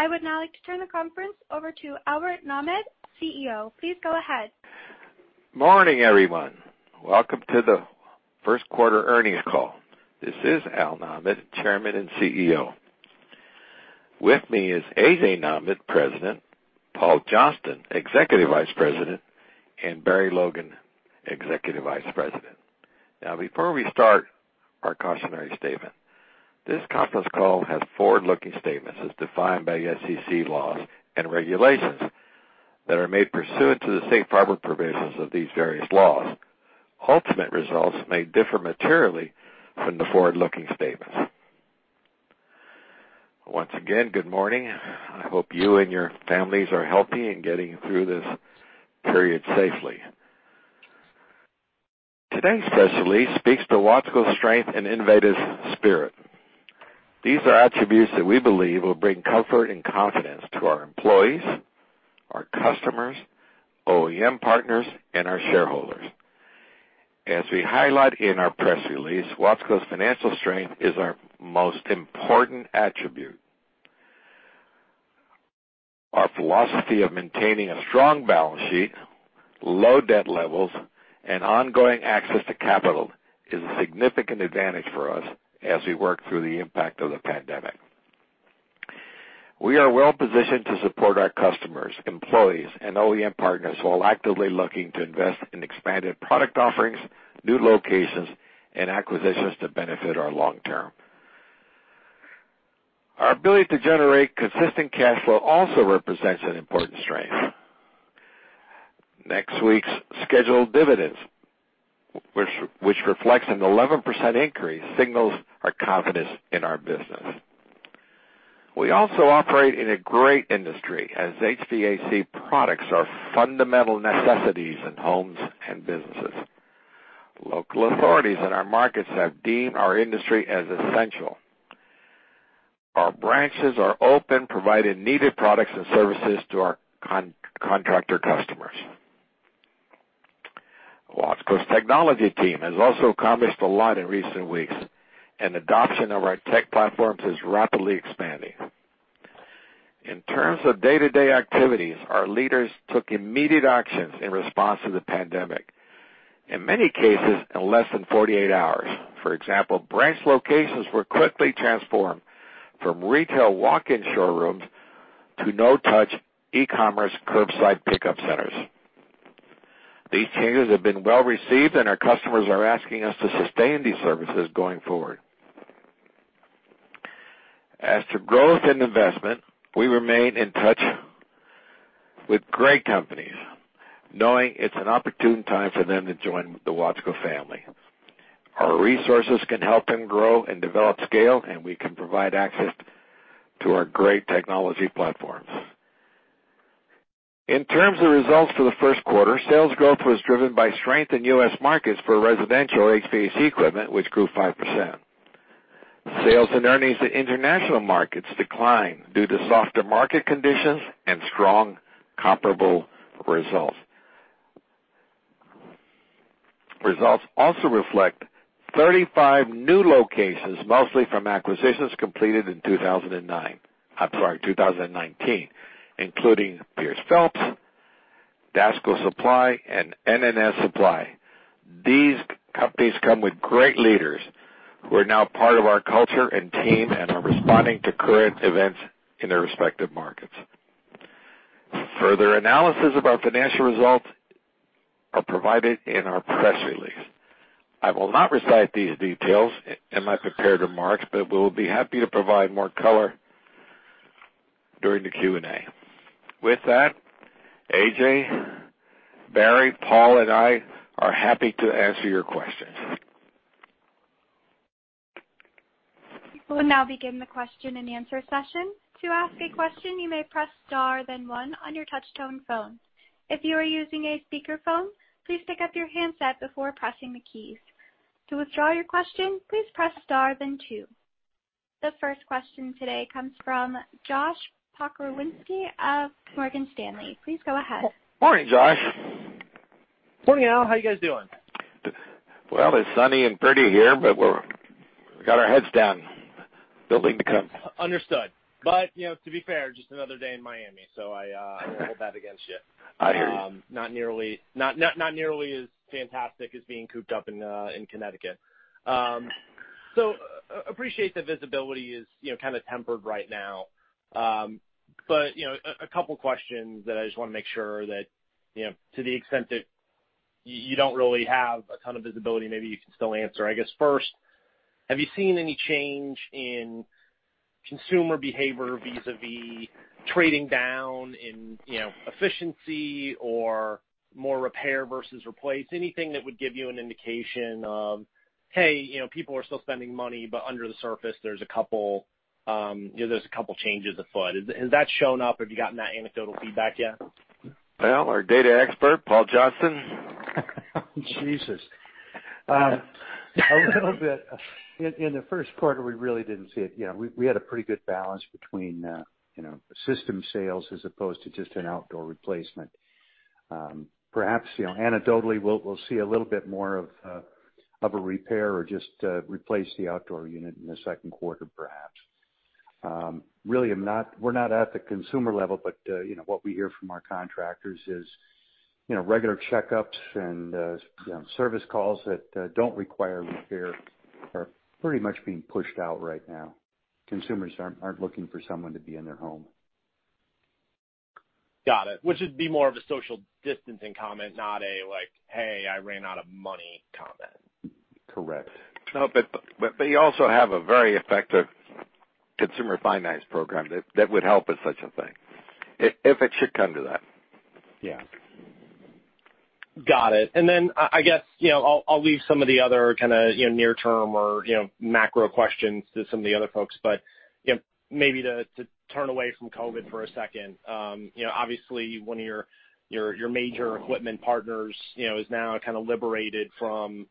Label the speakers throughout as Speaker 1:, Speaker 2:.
Speaker 1: I would now like to turn the conference over to Albert Nahmad, CEO. Please go ahead
Speaker 2: Morning, everyone. Welcome to the first quarter earnings call. This is Al Nahmad, Chairman and CEO. With me is A.J. Nahmad, President, Paul Johnston, Executive Vice President, and Barry Logan, Executive Vice President. Now before we start, our cautionary statement. This conference call has forward-looking statements as defined by SEC laws and regulations that are made pursuant to the safe harbor provisions of these various laws. Ultimate results may differ materially from the forward-looking statements. Once again, good morning. I hope you and your families are healthy and getting through this period safely. Today's press release speaks to Watsco's strength and innovative spirit. These are attributes that we believe will bring comfort and confidence to our employees, our customers, OEM partners, and our shareholders. As we highlight in our press release, Watsco's financial strength is our most important attribute. Our philosophy of maintaining a strong balance sheet, low debt levels, and ongoing access to capital is a significant advantage for us as we work through the impact of the pandemic. We are well-positioned to support our customers, employees, and OEM partners while actively looking to invest in expanded product offerings, new locations, and acquisitions to benefit our long-term. Our ability to generate consistent cash flow also represents an important strength. Next week's scheduled dividends, which reflect an 11% increase, signal our confidence in our business. We also operate in a great industry as HVAC products are fundamental necessities in homes and businesses. Local authorities in our markets have deemed our industry as essential. Our branches are open, providing needed products and services to our contractor customers. Watsco's technology team has also accomplished a lot in recent weeks, and adoption of our tech platforms is rapidly expanding. In terms of day-to-day activities, our leaders took immediate actions in response to the pandemic, in many cases in less than 48 hours. For example, branch locations were quickly transformed from retail walk-in showrooms to no-touch e-commerce curbside pickup centers. These changes have been well received, and our customers are asking us to sustain these services going forward. As to growth and investment, we remain in touch with great companies, knowing it's an opportune time for them to join the Watsco family. Our resources can help them grow and develop scale, and we can provide access to our great technology platforms. In terms of results for the first quarter, sales growth was driven by strength in U.S. markets for residential HVAC equipment, which grew 5%. Sales and earnings to international markets declined due to softer market conditions and strong comparable results. Results also reflect 35 new locations, mostly from acquisitions completed in 2009-- I'm sorry, 2019, including Peirce-Phelps, DASCO Supply, and N&S Supply. These companies come with great leaders who are now part of our culture and team and are responding to current events in their respective markets. Further analysis of our financial results are provided in our press release. I will not recite these details in my prepared remarks, but we'll be happy to provide more color during the Q&A. With that, A.J., Barry, Paul, and I are happy to answer your questions.
Speaker 1: We will now begin the question-and-answer session. To ask a question, you may press star then one on your touch-tone phone. If you are using a speakerphone, please pick up your handset before pressing the keys. To withdraw your question, please press star then two. The first question today comes from Josh Pokrzywinski of Morgan Stanley. Please go ahead.
Speaker 2: Morning, Josh.
Speaker 3: Morning, Al. How are you guys doing?
Speaker 2: Well, it's sunny and pretty here, but we got our heads down, building the company.
Speaker 3: Understood. You know, to be fair, just another day in Miami, so I won't hold that against you.
Speaker 2: I hear you.
Speaker 3: Not nearly, not nearly as fantastic as being cooped up in Connecticut. Appreciate the visibility, you know, is, kind of tempered right now. You know, a couple of questions that I just want to make sure that, you know, to the extent that you don't really have a ton of visibility, maybe you can still answer. I guess first, have you seen any change in consumer behavior vis-a-vis trading down in, you know, efficiency or more repair versus replace? Anything that would give you an indication of, hey, you know, people are still spending money, but under the surface, there's a couple, you know, there's a couple changes afoot. Has that shown up? Have you gotten that anecdotal feedback yet?
Speaker 2: Well, our data expert, Paul Johnston?
Speaker 4: Jesus. A little bit. In the first quarter, we really didn't see it. You know, we had a pretty good balance between, you know, system sales as opposed to just an outdoor replacement. Perhaps, you know, anecdotally, we'll see a little bit more of a repair or just replace the outdoor unit in the second quarter, perhaps. Really, we're not at the consumer level, but, you know, what we hear from our contractors is, you know, regular checkups and, you know, service calls that don't require repair are pretty much being pushed out right now. Consumers aren't looking for someone to be in their home.
Speaker 3: Got it. Which would be more of a social distancing comment, not a like, "Hey, I ran out of money," comment.
Speaker 4: Correct.
Speaker 2: No, but you also have a very effective consumer finance program that would help with such a thing if it should come to that.
Speaker 4: Yeah.
Speaker 3: Got it. I guess, you know, I'll leave some of the other kind of, you know, near-term or, you know, macro questions to some of the other folks. You know, maybe to turn away from COVID for a second, you know, obviously one of your major equipment partners, you know, is now kind of liberated from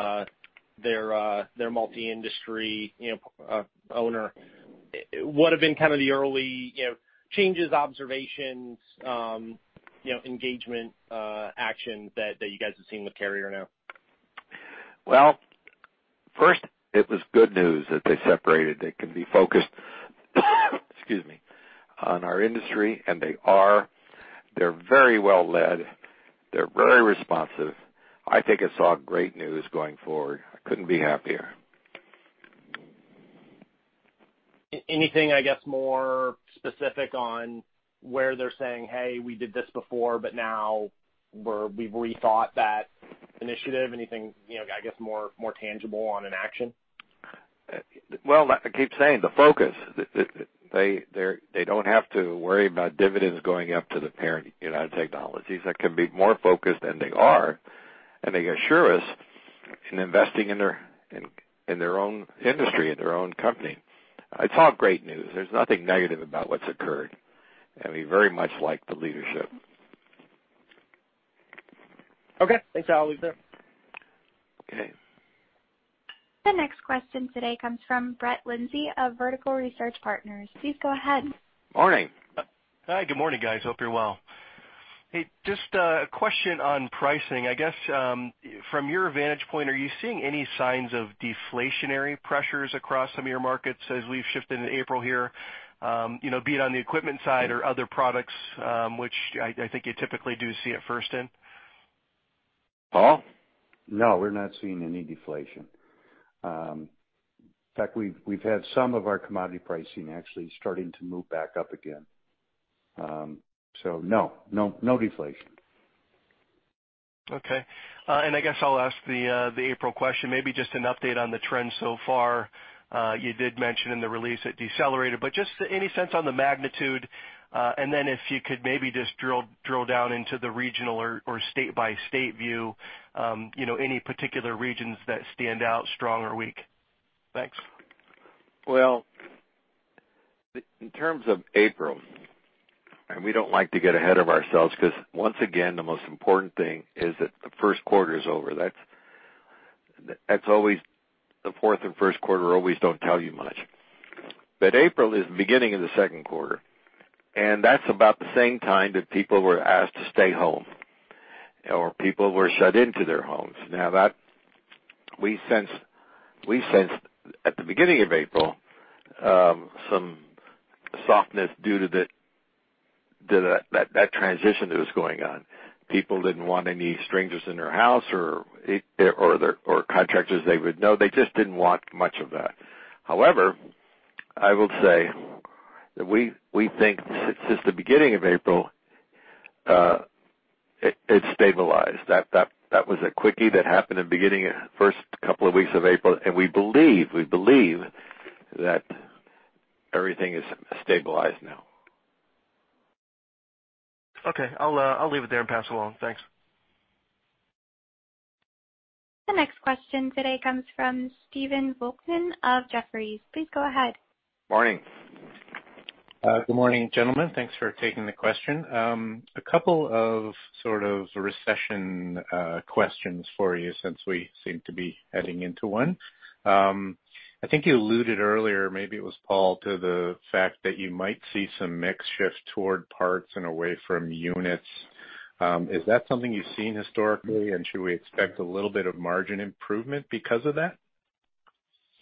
Speaker 3: their multi-industry, you know, owner. What have been kind of the early, you know, changes, observations, you know, engagement, action that you guys have seen with Carrier now?
Speaker 2: Well, first, it was good news that they separated. They can be focused, excuse me, on our industry, and they are. They're very well led. They're very responsive. I think it's all great news going forward. I couldn't be happier.
Speaker 3: Anything, I guess, more specific on where they're saying, "Hey, we did this before, but now we've rethought that initiative." Anything, you know, I guess more tangible on an action?
Speaker 2: Well, I keep saying the focus. They don't have to worry about dividends going up to the parent, United Technologies. They can be more focused, and they are, and they assure us in investing in their own industry, in their own company. It's all great news. There's nothing negative about what's occurred, and we very much like the leadership.
Speaker 3: Okay. Thanks, Al. We good.
Speaker 2: Okay.
Speaker 1: The next question today comes from Brett Linzey of Vertical Research Partners. Please go ahead.
Speaker 2: Morning.
Speaker 5: Hi. Good morning, guys. Hope you're well. Hey, just a question on pricing. I guess from your vantage point, are you seeing any signs of deflationary pressures across some of your markets as we've shifted into April here? You know, be it on the equipment side or other products, which I think you typically do see it first in?
Speaker 2: Paul?
Speaker 4: No, we're not seeing any deflation. In fact, we've had some of our commodity pricing actually starting to move back up again. No deflation.
Speaker 5: Okay. I guess I'll ask the April question, maybe just an update on the trends so far. You did mention in the release it decelerated, but just any sense on the magnitude? If you could maybe just drill down into the regional or state-by-state view, you know, any particular regions that stand out strong or weak? Thanks.
Speaker 2: Well, in terms of April, and we don't like to get ahead of ourselves, 'cause once again, the most important thing is that the first quarter is over. That's always the fourth and first quarter always don't tell you much. April is the beginning of the second quarter, and that's about the same time that people were asked to stay home or people were shut into their homes. Now that we sensed at the beginning of April some softness due to that transition that was going on. People didn't want any strangers in their house or contractors they would know. They just didn't want much of that. However, I will say that we think since the beginning of April, it has stabilized. That was a quickie that happened in the beginning, the first couple of weeks of April. We believe that everything is stabilized now.
Speaker 5: Okay. I'll leave it there and pass it along. Thanks.
Speaker 1: The next question today comes from Stephen Volkmann of Jefferies. Please go ahead.
Speaker 2: Morning.
Speaker 6: Good morning, gentlemen. Thanks for taking the question. A couple of sort of recession questions for you since we seem to be heading into one. I think you alluded earlier, maybe it was Paul, to the fact that you might see some mix shift toward parts and away from units. Is that something you've seen historically, and should we expect a little bit of margin improvement because of that?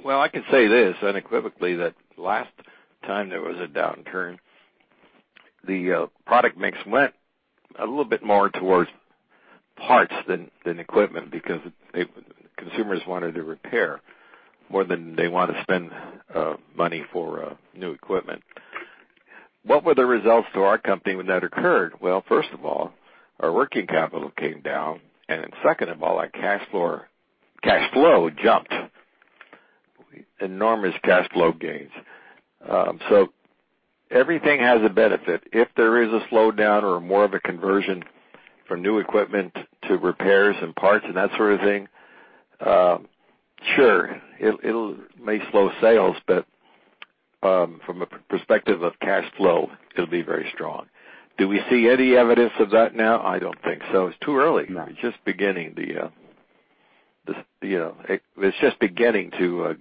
Speaker 2: Well, I can say this unequivocally, that last time there was a downturn, the product mix went a little bit more towards parts than equipment because consumers wanted to repair more than they wanted to spend money for new equipment. What were the results to our company when that occurred? Well, first of all, our working capital came down, and then second of all, our cash flow jumped. Enormous cash flow gains. So everything has a benefit. If there is a slowdown or more of a conversion from new equipment to repairs and parts and that sort of thing, sure, it may slow sales, but from a perspective of cash flow, it'll be very strong. Do we see any evidence of that now? I don't think so. It's too early.
Speaker 6: No.
Speaker 2: It's just beginning to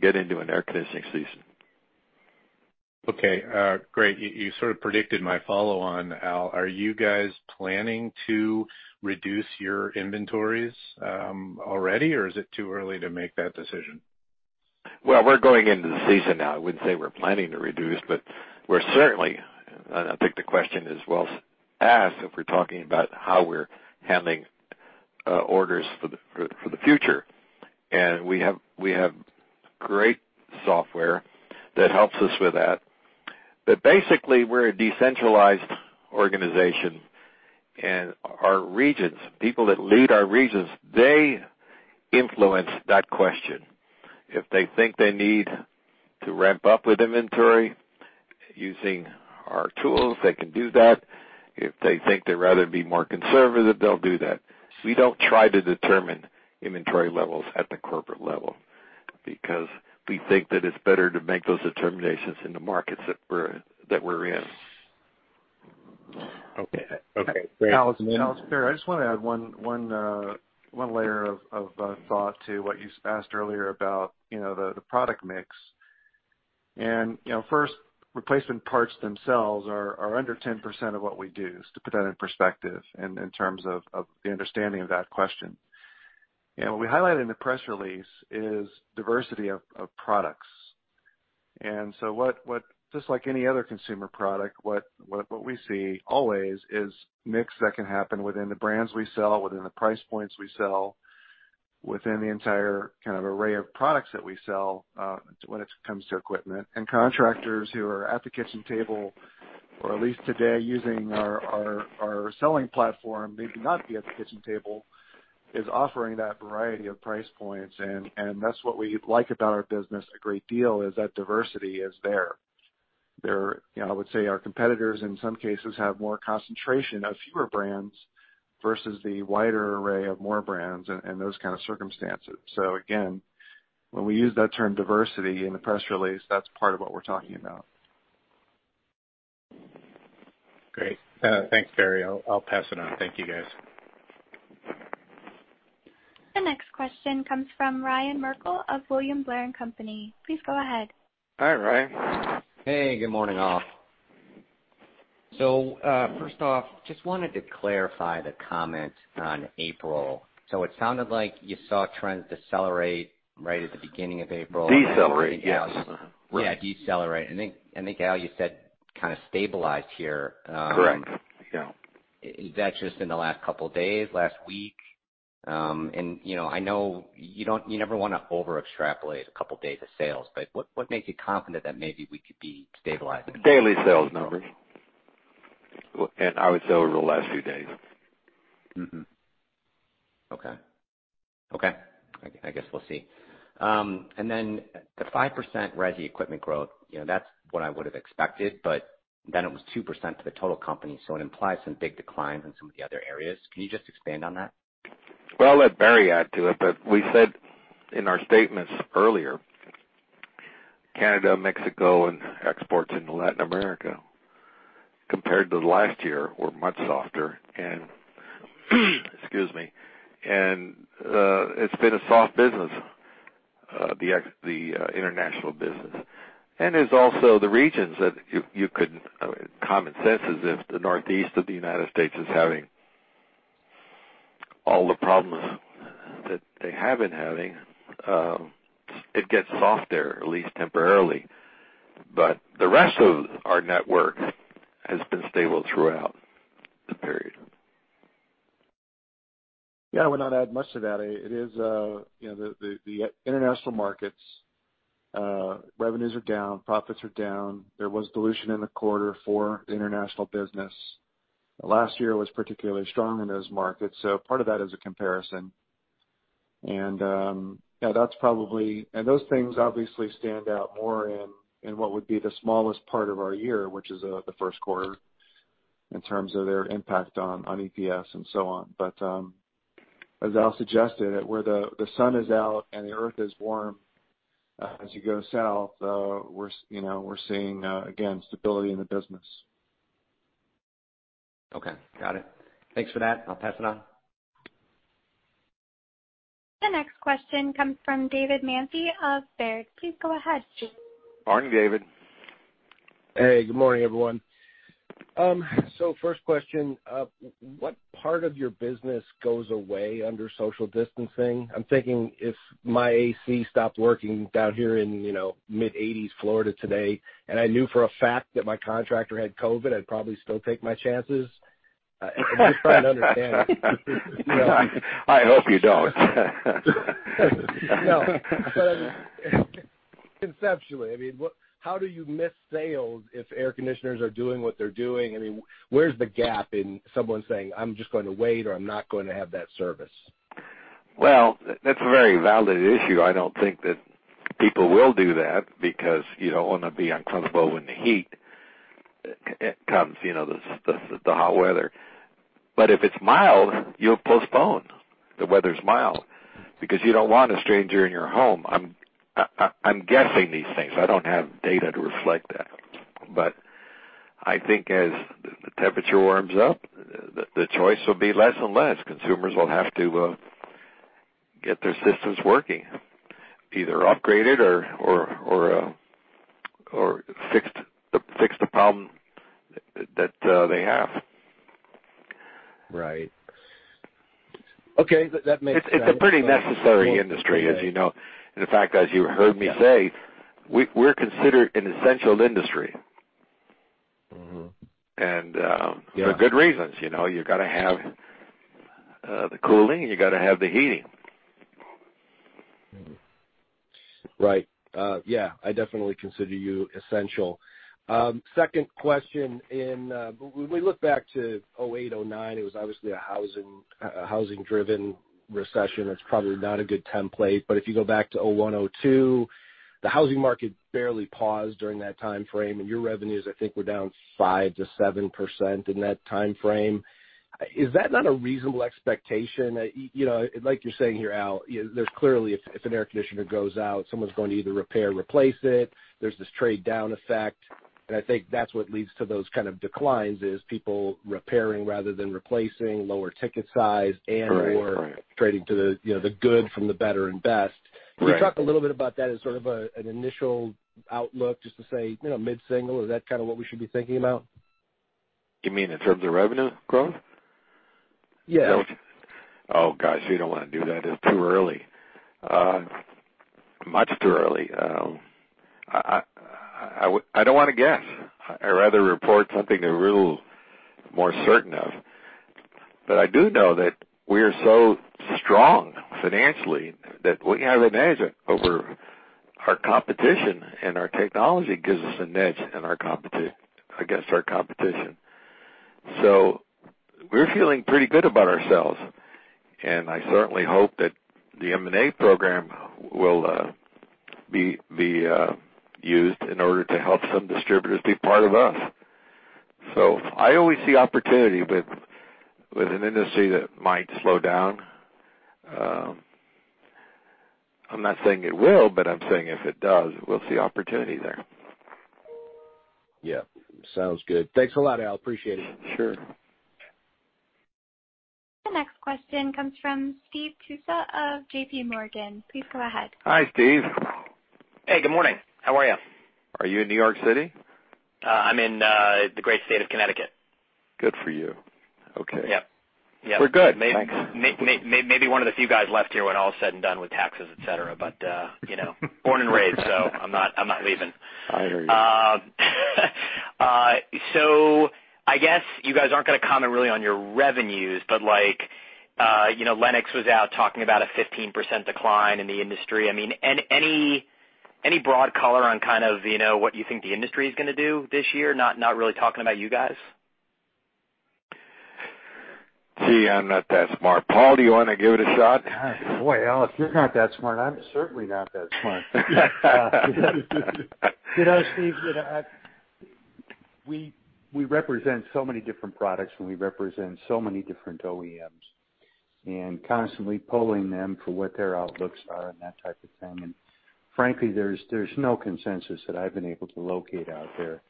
Speaker 2: get into the air conditioning season.
Speaker 6: Okay. Great. You sort of predicted my follow-on, Al. Are you guys planning to reduce your inventories, already, or is it too early to make that decision?
Speaker 2: Well, we're going into the season now. I wouldn't say we're planning to reduce, but we're certainly I think the question is well asked if we're talking about how we're handling orders for the future. We have great software that helps us with that. Basically, we're a decentralized organization, and our regions, people that lead our regions, they influence that question. If they think they need to ramp up with inventory using our tools, they can do that. If they think they'd rather be more conservative, they'll do that. We don't try to determine inventory levels at the corporate level because we think that it's better to make those determinations in the markets that we're in.
Speaker 6: Okay. Okay, great.
Speaker 7: Al, it's Barry. I just wanna add one layer of thought to what you asked earlier about, you know, the product mix. You know, first, replacement parts themselves are under 10% of what we do, just to put that in perspective in terms of the understanding of that question. What we highlighted in the press release is the diversity of products. just like any other consumer product, what we see always is a mix that can happen within the brands we sell, within the price points we sell, within the entire kind of array of products that we sell, when it comes to equipment. contractors who are at the kitchen table, or at least today using our selling platform, maybe not be at the kitchen table, is offering that variety of price points. That's what we like about our business a great deal, is that diversity is there. There, you know, I would say our competitors, in some cases, have more concentration of fewer brands versus the wider array of more brands and those kinds of circumstances. Again, when we use that term diversity in the press release, that's part of what we're talking about.
Speaker 6: Great. Thanks, Barry. I'll pass it on. Thank you, guys.
Speaker 1: The next question comes from Ryan Merkel of William Blair & Company. Please go ahead.
Speaker 2: Hi, Ryan.
Speaker 8: Hey, good morning, Al. First off, I just wanted to clarify the comment on April. It sounded like you saw trends decelerate right at the beginning of April.
Speaker 2: Decelerate, yes.
Speaker 8: Yeah, decelerate. I think, Al, you said, kinda stabilized here.
Speaker 2: Correct. Yeah.
Speaker 8: Is that just in the last couple of days, last week? You know, you never wanna over extrapolate a couple of days of sales, but what makes you confident that maybe we could be stabilizing?
Speaker 2: Daily sales numbers. I would say over the last few days.
Speaker 8: I guess we'll see. The 5% resi equipment growth, you know, that's what I would have expected, but then it was 2% for the total company, so it implies some big declines in some of the other areas. Can you just expand on that?
Speaker 2: Well, I'll let Barry add to it, but we said in our statements earlier, Canada, Mexico, and exports into Latin America compared to last year were much softer, and, excuse me, it's been a soft business, the international business. There's also the regions that you could, I mean, common sense is that if the Northeast of the United States is having all the problems that they have been having, it gets soft there, at least temporarily. The rest of our network has been stable throughout the period.
Speaker 7: Yeah, I would not add much to that. It is, you know, the international markets, revenues are down, profits are down. There was dilution in the quarter for the international business. Last year was particularly strong in those markets, so part of that is a comparison. Yeah, that's probably. Those things obviously stand out more in what would be the smallest part of our year, which is the first quarter, in terms of their impact on EPS and so on. As Al suggested, where the sun is out, and the earth is warm, as you go south, we're, you know, we're seeing, again, stability in the business.
Speaker 8: Okay, got it. Thanks for that. I'll pass it on.
Speaker 1: The next question comes from David Manthey of Baird. Please go ahead, James.
Speaker 2: Morning, David.
Speaker 9: Hey, good morning, everyone. First question: What part of your business goes away under social distancing? I'm thinking if my AC stopped working down here in, you know, mid-eighties Florida today, and I knew for a fact that my contractor had COVID, I'd probably still take my chances. I'm just trying to understand.
Speaker 2: I hope you don't.
Speaker 9: No, I mean, conceptually, I mean, how do you miss sales if air conditioners are doing what they're doing? I mean, where's the gap in someone saying, "I'm just gonna wait," or, "I'm not going to have that service"?
Speaker 2: Well, that's a very valid issue. I don't think that people will do that because you don't wanna be uncomfortable in the heat. It comes, you know, the hot weather. If it's mild, you'll postpone. The weather's mild. You don't want a stranger in your home. I'm guessing these things. I don't have data to reflect that. I think as the temperature warms up, the choice will be less and less. Consumers will have to get their systems working, either upgraded or fixed, and fix the problem that they have.
Speaker 9: Right. Okay. That makes sense.
Speaker 2: It's a pretty necessary industry, as you know. In fact, as you heard me say-
Speaker 9: Yeah
Speaker 2: We're considered an essential industry. And, um-
Speaker 9: Yeah
Speaker 2: For good reasons, you know. You gotta have the cooling, and you gotta have the heating.
Speaker 9: Yeah, I definitely consider you essential. Second question. In when we look back to 2008, 2009, it was obviously a housing, a housing-driven recession. That's probably not a good template. If you go back to 2001, 2002, the housing market barely paused during that timeframe, and your revenues, I think, were down 5%-7% in that timeframe. Is that not a reasonable expectation? You know, like you're saying here, Al, you know, there's clearly if an air conditioner goes out, someone's going to either repair or replace it. There's this trade-down effect, and I think that's what leads to those kinds of declines, is people repairing rather than replacing, lower ticket size, and/or-
Speaker 2: Right. Right
Speaker 9: Trading to the, you know, the good from the better and best.
Speaker 2: Right.
Speaker 9: Can you talk a little bit about that as sort of, an initial outlook, just to say, you know, mid-single? Is that kinda what we should be thinking about?
Speaker 2: You mean in terms of revenue growth?
Speaker 9: Yes.
Speaker 2: Oh, gosh, you don't wanna do that. It's too early. Much too early. I don't wanna guess. I'd rather report something a little more certain of. I do know that we are so strong financially that we have an edge over our competition, and our technology gives us an edge in our competition against our competition. We're feeling pretty good about ourselves, and I certainly hope that the M&A program will be used in order to help some distributors be part of us. I always see opportunity with an industry that might slow down. I'm not saying it will, but I'm saying if it does, we'll see an opportunity there.
Speaker 9: Yeah. Sounds good. Thanks a lot, Al. Appreciate it.
Speaker 2: Sure.
Speaker 1: The next question comes from Steve Tusa of JPMorgan. Please go ahead.
Speaker 2: Hi, Steve.
Speaker 10: Hey, good morning. How are you?
Speaker 2: Are you in New York City?
Speaker 10: I'm in the great state of Connecticut.
Speaker 2: Good for you. Okay.
Speaker 10: Yep. Yep.
Speaker 2: We're good. Thanks.
Speaker 10: Maybe one of the few guys left here when all is said and done with taxes, et cetera. You know, born and raised, so I'm not leaving.
Speaker 2: I hear you.
Speaker 10: I guess you guys aren't gonna comment really on your revenues, but, like, you know, Lennox was out talking about a 15% decline in the industry. I mean, any broad color on kind of, you know, what you think the industry is gonna do this year, not really talking about you guys?
Speaker 2: Steve, I'm not that smart. Paul, do you wanna give it a shot?
Speaker 4: Boy, Al, if you're not that smart, I'm certainly not that smart. You know, Steve, you know, we represent so many different products, and we represent so many different OEMs, and constantly polling them for what their outlooks are and that type of thing. Frankly, there's no consensus that I've been able to locate out there,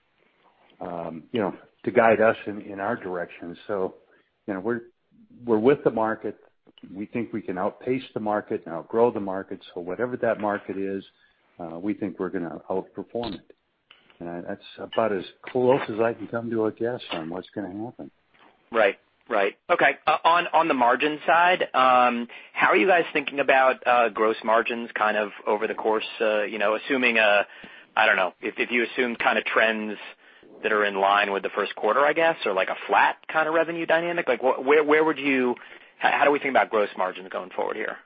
Speaker 4: you know, to guide us in our direction. You know, we're with the market. We think we can outpace the market and outgrow the market. Whatever that market is, we think we're gonna outperform it. That's about as close as I can come to a guess on what's gonna happen.
Speaker 10: Right. Right. Okay. On the margin side, how are you guys thinking about gross margins kind of over the course, you know, assuming, I don't know, if you assume kinda trends that are in line with the first quarter, I guess, or like a flat kinda revenue dynamic? Like, where would you how do we think about gross margins going forward here?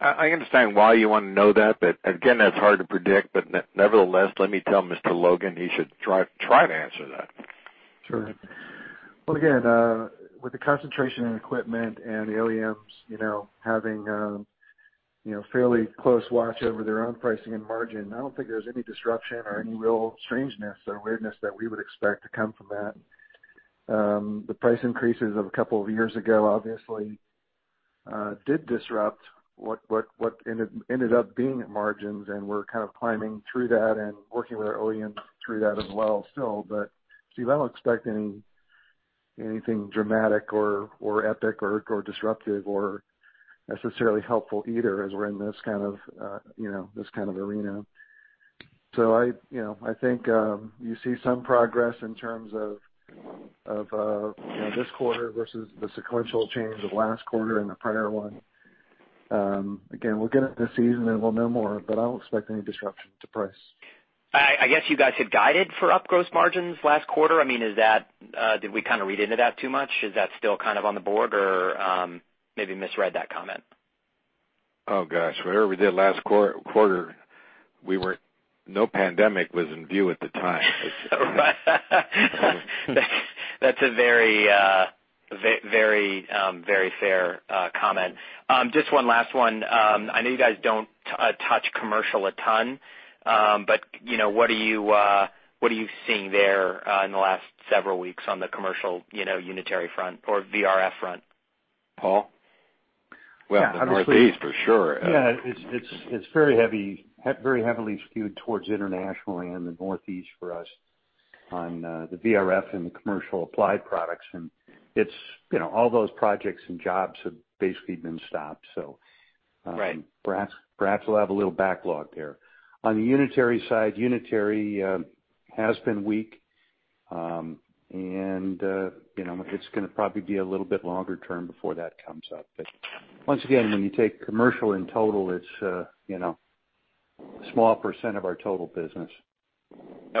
Speaker 2: I understand why you wanna know that, but again, that's hard to predict. But nevertheless, let me tell Mr. Logan he should try to answer that.
Speaker 7: Sure. Well, again, with the concentration in equipment and the OEMs, you know, having, you know, fairly close watch over their own pricing and margin, I don't think there's any disruption or any real strangeness or weirdness that we would expect to come from that. The price increases of a couple of years ago obviously did disrupt what ended up being margins, and we're kind of climbing through that and working with our OEMs through that as well still. Steve, I don't expect anything dramatic or epic or disruptive or necessarily helpful either, as we're in this kind of, you know, this kind of arena. I, you know, I think, you see some progress in terms of, you know, this quarter versus the sequential change of last quarter and the prior one. Again, we'll get into the season, and we'll know more, but I don't expect any disruption to price.
Speaker 10: I guess you guys had guided for up gross margins last quarter. I mean, is that? Did we kind of read into that too much? Is that still kind of on the board, or maybe I misread that comment?
Speaker 2: Oh, gosh, whatever we did last quarter, no pandemic was in view at the time.
Speaker 10: That's a very, very fair comment. Just one last one. I know you guys don't touch commercial a ton, but you know, what are you seeing there in the last several weeks on the commercial, you know, unitary front or VRF front?
Speaker 2: Paul?
Speaker 4: Yeah, obviously
Speaker 2: Well, the Northeast for sure.
Speaker 4: Yeah. It's very heavily skewed towards international and the Northeast for us on the VRF and the commercial applied products. It's, you know, all those projects and jobs have basically been stopped, so -
Speaker 10: Right.
Speaker 4: Perhaps we'll have a little backlog there. On the unitary side has been weak. You know, it's gonna probably be a little bit longer term before that comes up. Once again, when you take the commercial in total, it's, you know, a small percent of our total business.
Speaker 10: They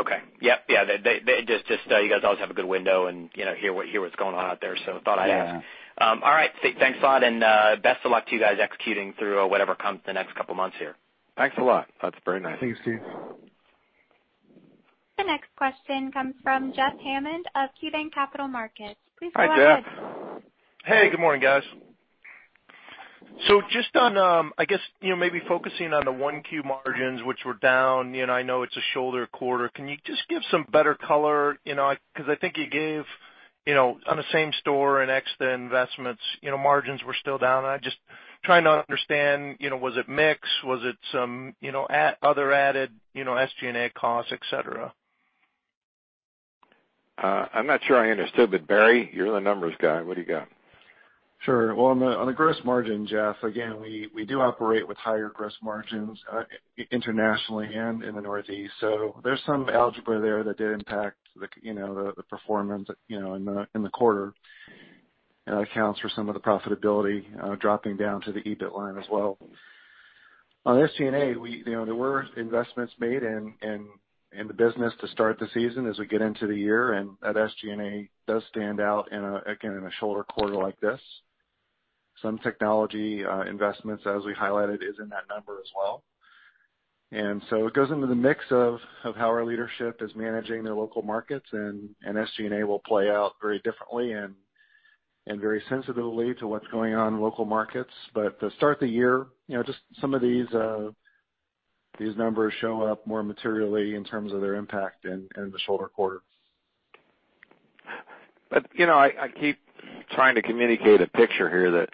Speaker 10: just, you guys always have a good window and, you know, hear what's going on out there, so I thought I'd ask.
Speaker 7: Yeah.
Speaker 10: All right. Thanks a lot, and, best of luck to you guys executing through whatever comes the next couple of months here.
Speaker 2: Thanks a lot. That's very nice.
Speaker 7: Thanks, Steve.
Speaker 1: The next question comes from Jeff Hammond of KeyBanc Capital Markets. Please go ahead.
Speaker 2: Hi, Jeff.
Speaker 11: Hey, good morning, guys. Just on, I guess, you know, maybe focusing on the 1Q margins, which were down, you know, I know it's a shoulder quarter. Can you just give some better color, you know, because I think you gave, you know, on the same-store and ex the investments, you know, margins were still down. I'm just trying to understand, you know, was it mix? Was it some, you know, another added, you know, SG&A costs, et cetera?
Speaker 2: I'm not sure I understood, but Barry, you're the numbers guy. What do you got?
Speaker 7: Sure. Well, on the gross margin, Jeff, again, we do operate with higher gross margins, internationally and in the Northeast. So there's some algebra there that did impact the, you know, the performance, you know, in the quarter, accounts for some of the profitability, dropping down to the EBIT line as well. On SG&A, we, you know, there were investments made in the business to start the season as we get into the year, and that SG&A does stand out in a, again, in a shoulder quarter like this. Some technology investments, as we highlighted, is in that number as well. So it goes into the mix of how our leadership is managing their local markets, and SG&A will play out very differently and very sensitively to what's going on in local markets. To start the year, you know, just some of these numbers show up more materially in terms of their impact in the shoulder quarter.
Speaker 2: You know, I keep trying to communicate a picture here that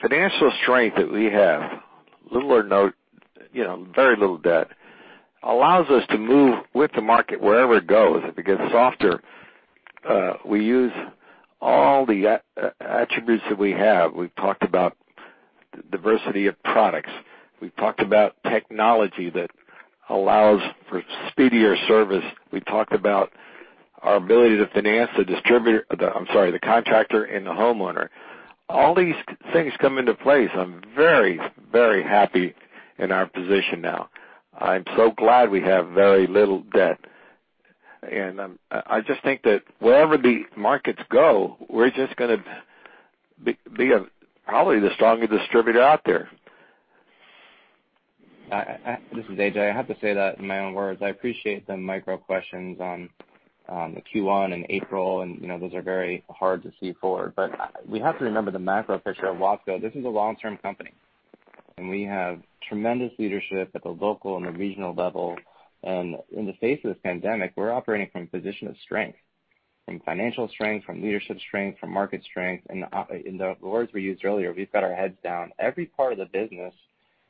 Speaker 2: financial strength that we have, little or no, you know, very little debt, allows us to move with the market wherever it goes. If it gets softer, we use all the attributes that we have. We've talked about the diversity of products. We've talked about technology that allows for speedier service. We've talked about our ability to finance the contractor and the homeowner. All these things come into play, so I'm very, very happy in our position now. I'm so glad we have very little debt. I just think that wherever the markets go, we're just gonna be a probably the strongest distributor out there.
Speaker 12: This is A.J. I have to say that in my own words, I appreciate the micro questions on the Q1 and April and, you know, those are very hard to see forward. We have to remember the macro picture of Watsco. This is a long-term company, and we have tremendous leadership at the local and the regional level. In the words we used earlier, we've got our heads down. Every part of the business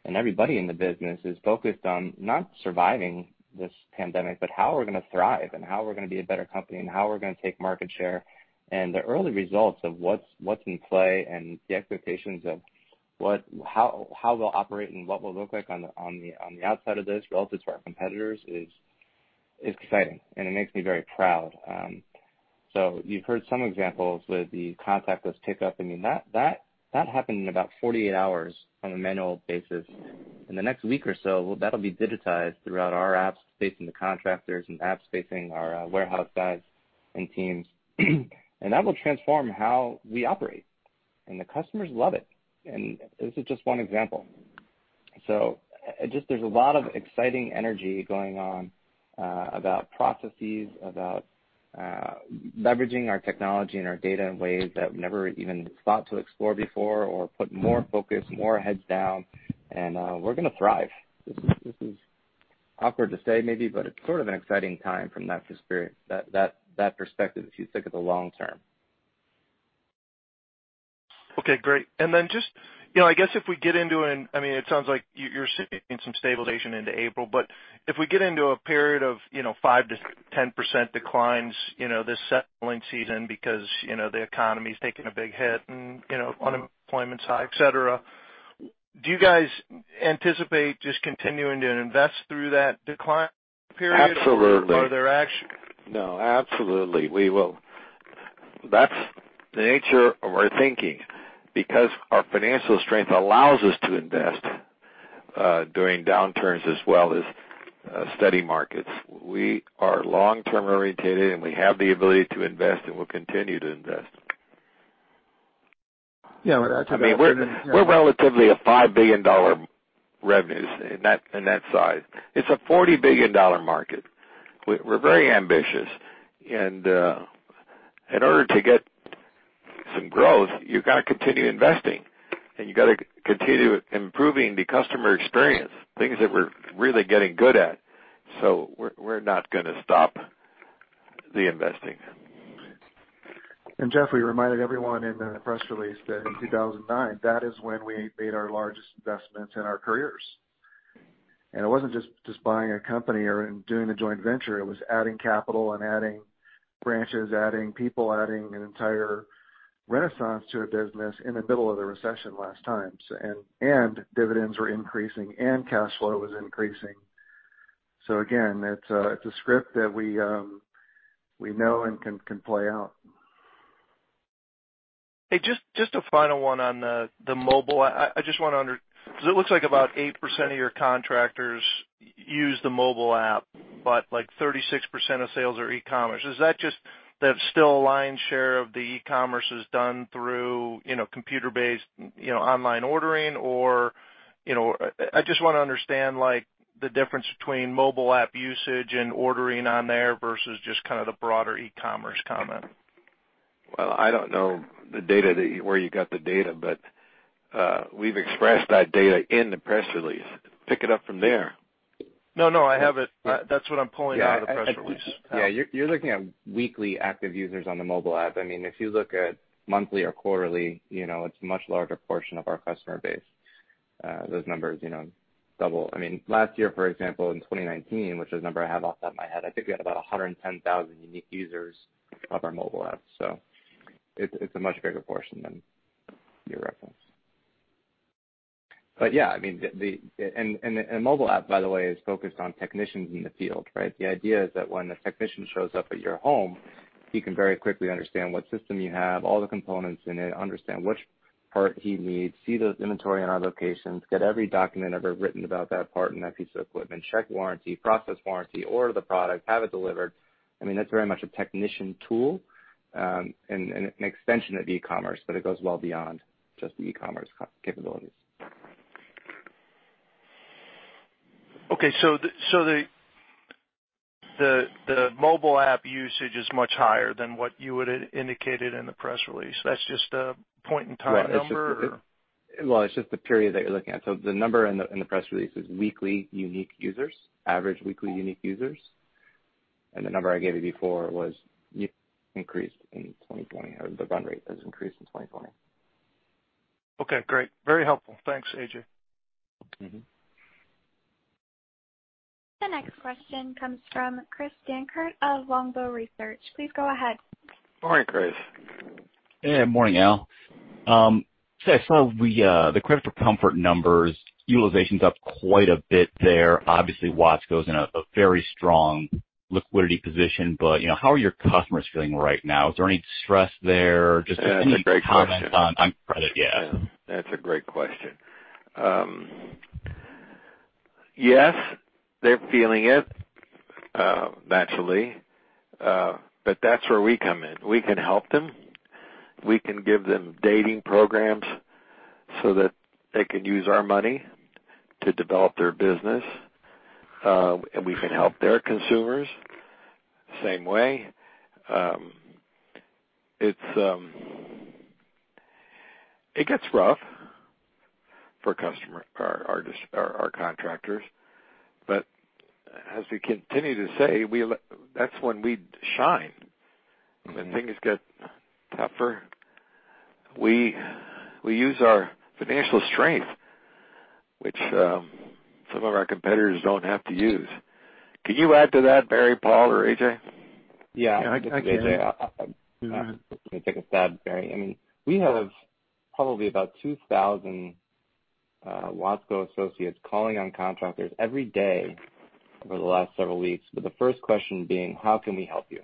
Speaker 12: and everybody in the business is focused on not surviving this pandemic, but how we're gonna thrive and how we're gonna be a better company and how we're gonna take market share. The early results of what's in play and the expectations of what, how we'll operate, and what we'll look like on the outside of this relative to our competitors is exciting, and it makes me very proud. You've heard some examples with the contactless pickup. I mean, that happened in about 48 hours on a manual basis. In the next week or so, that'll be digitized throughout our apps, facing the contractors and apps facing our warehouse guys and teams. That will transform how we operate, and the customers love it, and this is just one example. Just there's a lot of exciting energy going on, about processes, about leveraging our technology and our data in ways that we never even thought to explore before, or put more focus, more heads down, and we're gonna thrive. This is awkward to say, maybe, but it's sort of an exciting time from that perspective, if you think of the long term.
Speaker 11: Okay, great. Then just, you know, I guess if we get into an, I mean, it sounds like you're seeing some stabilization into April, but if we get into a period of, you know, 5%-10% declines, you know, this settling season because, you know, the economy's taking a big hit and, you know, unemployment's high, et cetera, do you guys anticipate just continuing to invest through that decline period?
Speaker 2: Absolutely.
Speaker 11: Are there ac-
Speaker 2: No, absolutely. We will. That's the nature of our thinking because our financial strength allows us to invest, during downturns as well as, steady markets. We are long-term oriented, and we have the ability to invest, and we'll continue to invest.
Speaker 7: Yeah, that's what I mean.
Speaker 2: I mean, we're relatively a $5 billion revenues in that size. It's a $40 billion market. We're very ambitious. In order to get some growth, you gotta continue investing, and you gotta continue improving the customer experience, things that we're really getting good at. We're not gonna stop the investing.
Speaker 7: Jeff, we reminded everyone in the press release that in 2009, that is when we made our largest investments in our careers. It wasn't just buying a company or doing a joint venture, it was adding capital and adding branches, adding people, adding an entire renaissance to a business in the middle of the recession last time. Dividends were increasing and cash flow was increasing. Again, it's a script that we know and can play out.
Speaker 11: Hey, just a final one on the mobile. I just wanna 'cause it looks like about 8% of your contractors use the mobile app, but like 36% of sales are e-commerce. Is that just that still a lion's share of the e-commerce is done through, you know, computer-based, you know, online ordering? Or, you know, I just wanna understand like the difference between mobile app usage and ordering on there versus just kind of the broader e-commerce comment.
Speaker 2: Well, I don't know where you got the data, but we've expressed that data in the press release. Pick it up from there.
Speaker 11: No, no, I have it. That's what I'm pulling out of the press release.
Speaker 2: Yeah.
Speaker 12: Yeah. You're looking at weekly active users on the mobile app. I mean, if you look at monthly or quarterly, you know, it's a much larger portion of our customer base. Those numbers, you know, double. I mean, last year, for example, in 2019, which is the number I have off the top of my head, I think we had about 110,000 unique users of our mobile app. So it's a much bigger portion than your reference. Yeah, I mean, mobile app, by the way, is focused on technicians in the field, right? The idea is that when a technician shows up at your home, he can very quickly understand what system you have, all the components in it, understand which part he needs, see those inventory in our locations, get every document ever written about that part and that piece of equipment, check the warranty, process the warranty, order the product, have it delivered. I mean, that's very much a technician tool, and an extension of e-commerce, but it goes well beyond just the e-commerce capabilities.
Speaker 11: Okay. The mobile app usage is much higher than what you would have indicated in the press release. That's just a point in time number, or?
Speaker 12: Well, it's just the period that you're looking at. The number in the press release is the weekly unique users, average weekly unique users. The number I gave you before was increased in 2020, or the run rate has increased in 2020.
Speaker 11: Okay, great. Very helpful. Thanks, A.J.
Speaker 1: The next question comes from Chris Dankert of Longbow Research. Please go ahead.
Speaker 2: Morning, Chris.
Speaker 13: Hey. Morning, Al. I saw the Credit for Comfort numbers, utilization's up quite a bit there. Obviously, Watsco goes in a very strong liquidity position. You know, how are your customers feeling right now? Is there any stress there? Just any comment on credit, yeah.
Speaker 2: That's a great question. Yes, they're feeling it, naturally. That's where we come in. We can help them. We can give them dating programs so that they can use our money to develop their business. We can help their consumers same way. It gets rough for our contractors. As we continue to say, that's when we shine. When things get tougher, we use our financial strength, which, some of our competitors don't have to use. Could you add to that, Barry, Paul, or A.J.?
Speaker 12: Yeah.
Speaker 7: Yeah, I can.
Speaker 12: A.J., I'll take a stab, Barry. I mean, we have probably about 2,000 Watsco associates calling on contractors every day over the last several weeks. The first question being, "How can we help you?"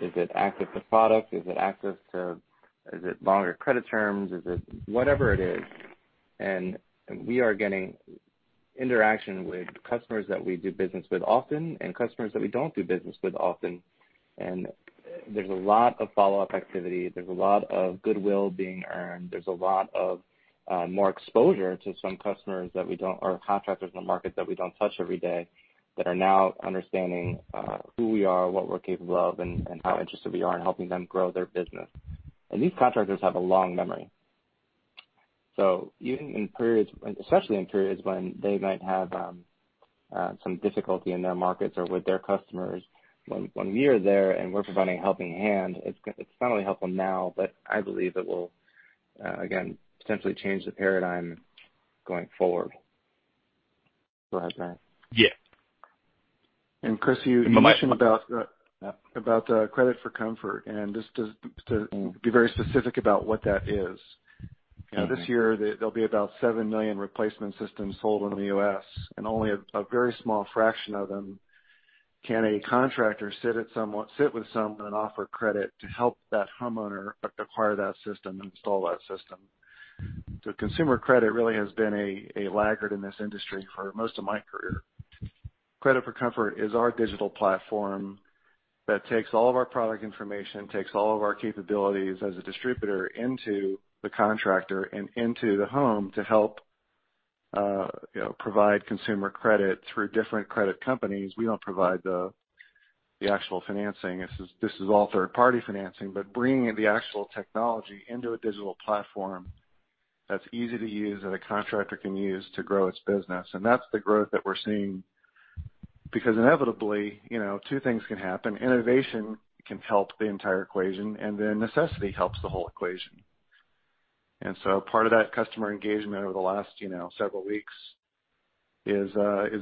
Speaker 12: Is it access to the product? Is it longer credit terms? Is it whatever it is. We are getting interaction with customers that we do business with often and customers that we don't do business with often. There's a lot of follow-up activity. There's a lot of goodwill being earned. There's a lot of more exposure to some customers that we don't or contractors in the market that we don't touch every day, that are now understanding who we are, what we're capable of, and how interested we are in helping them grow their business. These contractors have a long memory. Even in periods, especially in periods when they might have some difficulty in their markets or with their customers, when we are there, and we're providing a helping hand, it's not only helpful now, but I believe it will again potentially change the paradigm going forward. Go ahead, Barry.
Speaker 7: Yeah. Chris, you mentioned about the Credit for Comfort, and just to be very specific about what that is. This year, there'll be about 7 million replacement systems sold in the U.S., and only a very small fraction of them can a contractor to sit with someone and offer credit to help that homeowner acquire that system and install that system. Consumer credit really has been a laggard in this industry for most of my career. Credit for Comfort is our digital platform that takes all of our product information, takes all of our capabilities as a distributor into the contractor and into the home to help, you know, provide consumer credit through different credit companies. We don't provide the actual financing. This is all third-party financing, but bringing the actual technology into a digital platform that's easy to use, that a contractor can use to grow its business. That's the growth that we're seeing because inevitably, you know, two things can happen. Innovation can help the entire equation, and then necessity helps the whole equation. Part of that customer engagement over the last, you know, several weeks is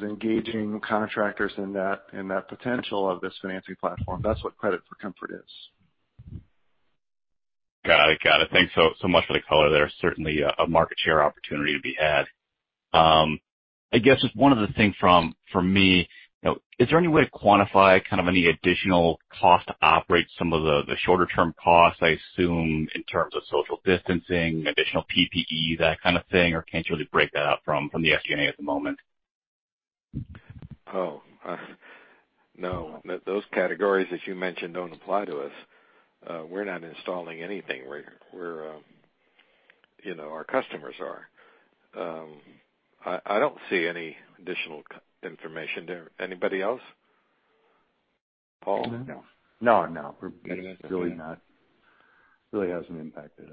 Speaker 7: engaging contractors in that potential of this financing platform. That's what Credit for Comfort is.
Speaker 13: Got it. Thanks so much for the color there. Certainly, a market share opportunity to be had. I guess just one other thing for me, you know, is there any way to quantify, kind of, any additional cost to operate some of the shorter-term costs, I assume, in terms of social distancing, additional PPE, that kind of thing, or can't you really break that up from the SG&A at the moment?
Speaker 2: Oh, no. Those categories that you mentioned don't apply to us. We're not installing anything. We're, you know, our customers are. I don't see any additional information there. Anybody else? Paul?
Speaker 4: No. No, we're really not. Really hasn't impacted us.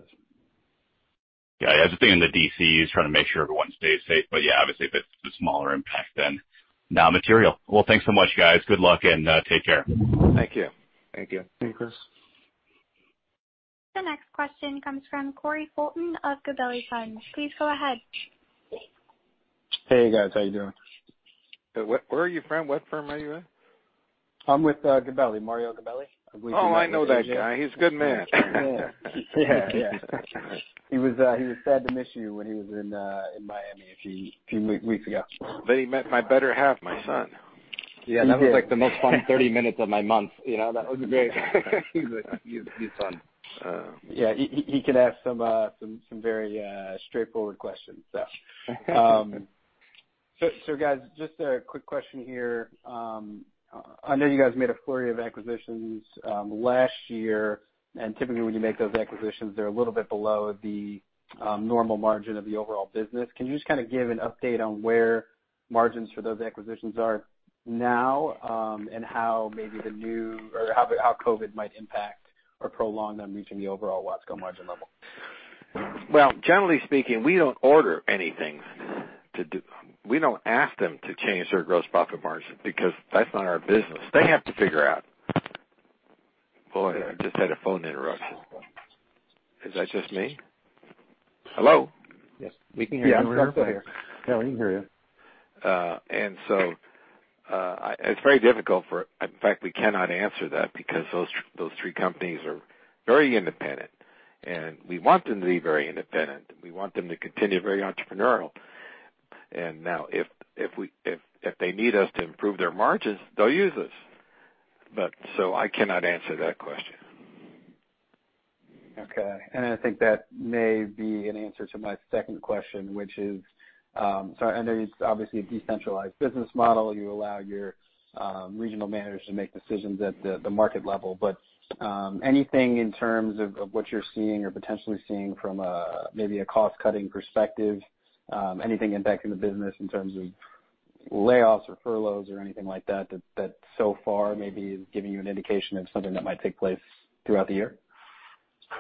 Speaker 13: Yeah. I just think in the DCs, trying to make sure everyone stays safe, but yeah, obviously, if it's a smaller impact, then non-material. Well, thanks so much, guys. Good luck and take care.
Speaker 2: Thank you.
Speaker 7: Thank you.
Speaker 12: Thank you, Chris.
Speaker 1: The next question comes from Cory Fulton of Gabelli Funds. Please go ahead.
Speaker 14: Hey, guys. How you doing?
Speaker 2: Where are you from? What firm are you in?
Speaker 14: I'm with, Gabelli, Mario Gabelli.
Speaker 2: Oh, I know that guy. He's a good man.
Speaker 14: Yeah. He was sad to miss you when he was in Miami a few weeks ago.
Speaker 2: He met my better half, my son.
Speaker 14: Yeah, that was like the most fun 30 minutes of my month. You know, that was great. He's fun.
Speaker 12: Yeah, he could ask some very straightforward questions, so.
Speaker 14: Guys, just a quick question here. I know you guys made a flurry of acquisitions, last year, and typically when you make those acquisitions, they're a little bit below the normal margin of the overall business. Can you just kind of give an update on where margins for those acquisitions are now, and how COVID might impact or prolong them reaching the overall Watsco margin level?
Speaker 2: Well, generally speaking, we don't ask them to change their gross profit margin because that's not our business. They have to figure it out. Boy, I just had a phone interruption. Is that just me? Hello?
Speaker 7: Yes, we can hear you.
Speaker 12: Yeah, we're still here. Yeah, we can hear you.
Speaker 2: It's very difficult. In fact, we cannot answer that because those three companies are very independent, and we want them to be very independent. We want them to continue to be very entrepreneurial. If they need us to improve their margins, they'll use us. I cannot answer that question.
Speaker 14: Okay. I think that may be an answer to my second question, which is so I know it's obviously a decentralized business model. You allow your regional managers to make decisions at the market level. Anything in terms of what you're seeing or potentially seeing from a maybe a cost-cutting perspective, anything impacting the business in terms of layoffs or furloughs or anything like that, so far, maybe is giving you an indication of something that might take place throughout the year?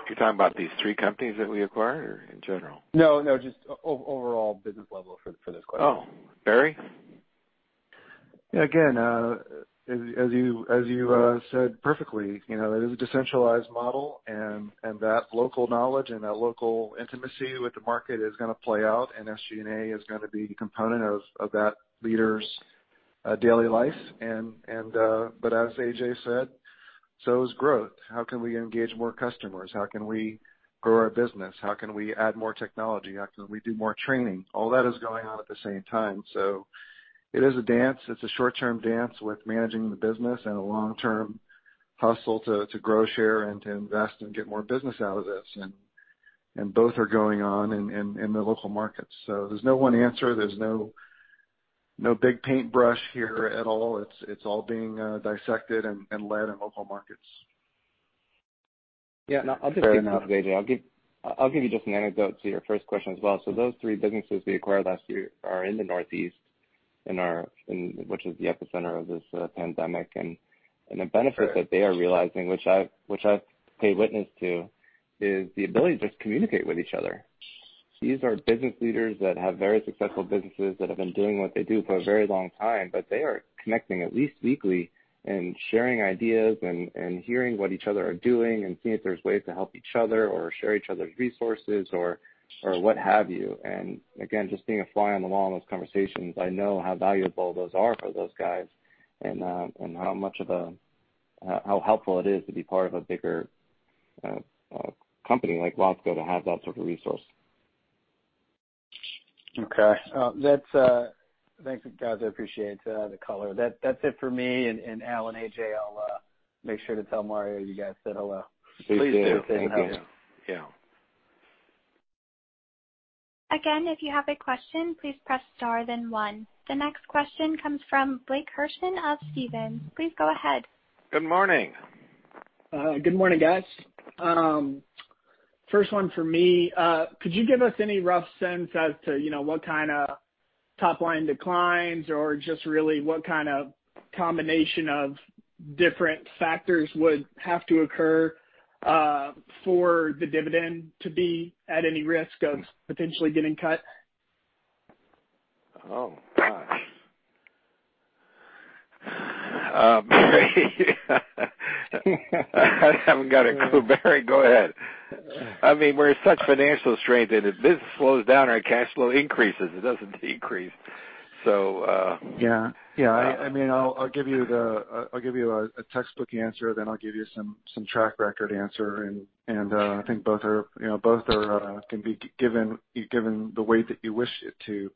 Speaker 2: You're talking about these three companies that we acquired or in general?
Speaker 14: No, just overall business level for this question.
Speaker 2: Oh, Barry?
Speaker 7: Yeah, again, as you said perfectly, you know, it is a decentralized model, and that local knowledge and that local intimacy with the market is gonna play out, and SG&A is gonna be the component of that leader's daily life. As A.J. said, so is growth. How can we engage more customers? How can we grow our business? How can we add more technology? How can we do more training? All that is going on at the same time. It is a dance. It's a short-term dance with managing the business and a long-term hustle to grow, share, and to invest and get more business out of this. Both are going on in the local markets. There's no one answer. There's no big paintbrush here at all. It's all being dissected and led in local markets.
Speaker 12: Yeah, no, I'll just pick up, A.J. I'll give you just an anecdote to your first question as well. Those three businesses we acquired last year are in the Northeast, which is the epicenter of this pandemic. The benefit that they are realizing, which I've paid witness to, is the ability to just communicate with each other. These are business leaders that have very successful businesses that have been doing what they do for a very long time, but they are connecting at least weekly and sharing ideas, and hearing what each other are doing, and seeing if there's ways to help each other or share each other's resources or what have you. Again, just being a fly on the wall in those conversations, I know how valuable those are for those guys and how helpful it is to be part of a bigger company like Watsco that has that sort of resource.
Speaker 14: Okay. That's. Thanks, guys. I appreciate the color. That's it for me, and Al, and AJ. I'll make sure to tell Mario you guys said hello.
Speaker 2: Please do. Thank you.
Speaker 7: Please do. Thank you. Yeah.
Speaker 1: Again, if you have a question, please press star then one. The next question comes from Blake Hirschman of Stephens. Please go ahead.
Speaker 2: Good morning.
Speaker 15: Good morning, guys. First one for me. Could you give us any rough sense as to, you know, what kinda top line declines or just really what kind of combination of different factors would have to occur, for the dividend to be at any risk of potentially getting cut?
Speaker 2: Oh, gosh. Barry, I haven't got a clue. Barry, go ahead. I mean, we're in such financial strength that if this slows down, our cash flow increases, it doesn't decrease.
Speaker 7: I mean, I'll give you a textbook answer, then I'll give you some track record answer, and I think both are, you know, can be given the weight that you wish it to.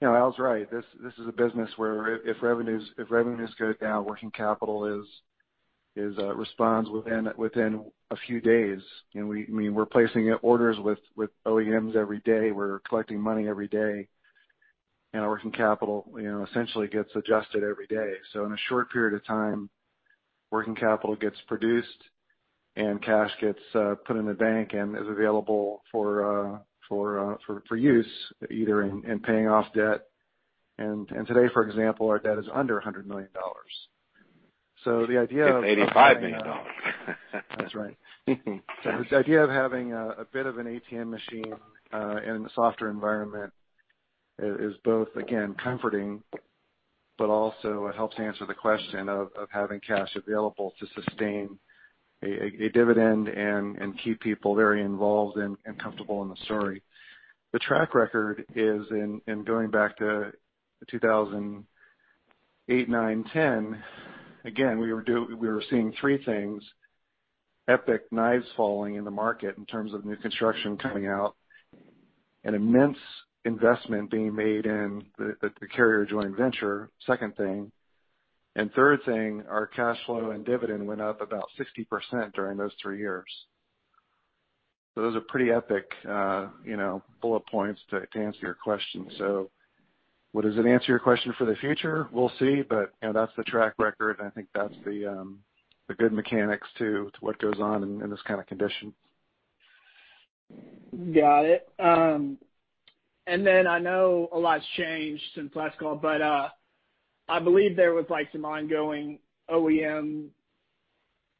Speaker 7: You know, Al's right. This is a business where if revenues go down, working capital responds within a few days. You know, we, I mean, we're placing orders with OEMs every day. We're collecting money every day. Our working capital, you know, essentially gets adjusted every day. In a short period of time, working capital gets produced, and cash gets put in the bank and is available for use either in paying off debt. Today, for example, our debt is under $100 million. The idea of-
Speaker 2: It's $85 million.
Speaker 7: That's right. The idea of having a bit of an ATM machine in a softer environment is both, again, comforting, but also it helps answer the question of having cash available to sustain a dividend and keep people very involved and comfortable in the story. The track record is in going back to 2008, 2009, 2010. Again, we were seeing three things. Epic knives falling in the market in terms of new construction coming out, an immense investment being made in the Carrier joint venture, second thing, and third thing, our cash flow and dividend went up about 60% during those three years. Those are pretty epic, you know, bullet points to answer your question. What does it answer your question for the future? We'll see. You know, that's the track record, and I think that's the good mechanics to what goes on in this kind of condition.
Speaker 15: Got it. I know a lot's changed since last call, but I believe there was like some ongoing OEM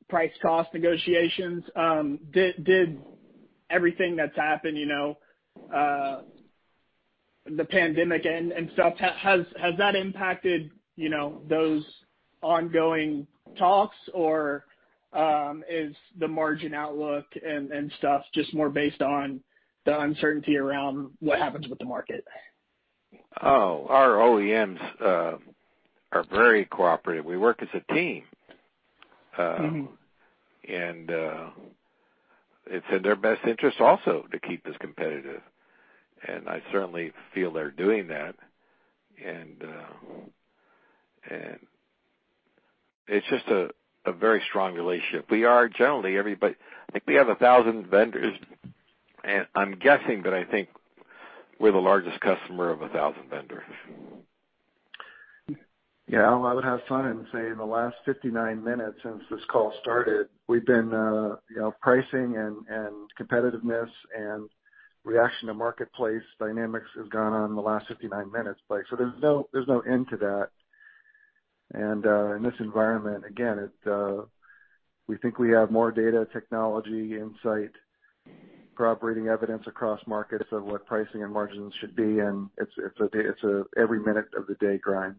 Speaker 15: price cost negotiations. Did everything that's happened, you know, the pandemic and stuff, has that impacted, you know, those ongoing talks, or is the margin outlook and stuff just more based on the uncertainty around what happens with the market?
Speaker 2: Oh, our OEMs, are very cooperative. We work as a team. It's in their best interest also to keep us competitive, and I certainly feel they're doing that. It's just a very strong relationship. We are generally, I think we have 1,000 vendors, and I'm guessing, but I think we're the largest customer of 1,000 vendors.
Speaker 7: Yeah, Al, I would have fun and say in the last 59 minutes since this call started, we've been, you know, pricing and competitiveness and reaction to marketplace dynamics has gone on in the last 59 minutes, Blake. There's no end to that. In this environment, again, we think we have more data technology insight, corroborating evidence across markets of what pricing and margins should be, and it's a every minute of the day grind.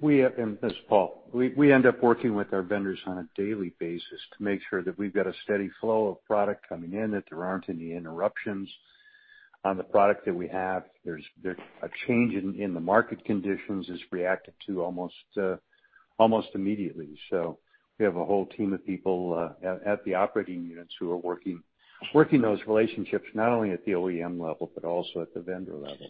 Speaker 4: We and this is Paul. We end up working with our vendors on a daily basis to make sure that we've got a steady flow of product coming in, that there aren't any interruptions on the product that we have. There's a change in the market conditions is reacted to almost almost immediately. We have a whole team of people at the operating units who are working those relationships, not only at the OEM level, but also at the vendor level.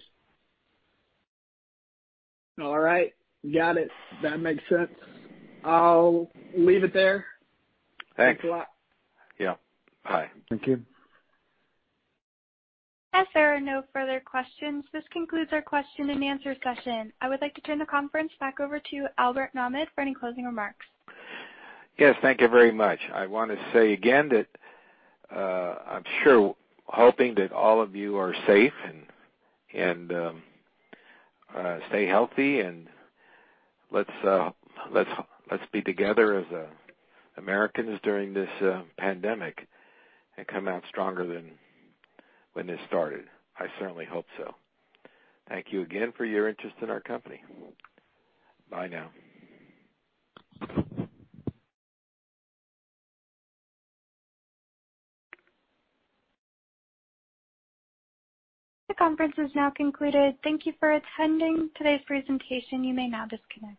Speaker 15: All right. Got it. That makes sense. I'll leave it there.
Speaker 2: Thanks.
Speaker 15: Thanks a lot.
Speaker 2: Yeah. Bye.
Speaker 7: Thank you.
Speaker 1: As there are no further questions, this concludes our question and answer session. I would like to turn the conference back over to Albert Nahmad for any closing remarks.
Speaker 2: Yes, thank you very much. I wanna say again that I'm sure hoping that all of you are safe and stay healthy, and let's be together as Americans during this pandemic and come out stronger than when this started. I certainly hope so. Thank you again for your interest in our company. Bye now.
Speaker 1: The conference is now concluded. Thank you for attending today's presentation. You may now disconnect.